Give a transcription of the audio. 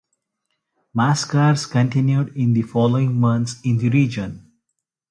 Massacres continued in the following months in the region.